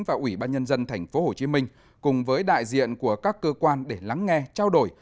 và ủy ban nhân dân tp hcm cùng với đại diện của các cơ quan để lắng nghe trao đổi